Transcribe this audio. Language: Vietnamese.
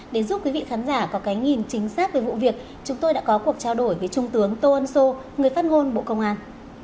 để giúp quý vị khán giả có cái nhìn chính xác về vụ việc chúng tôi đã có cuộc trao đổi với trung tướng tô ân sô người phát ngôn bộ công an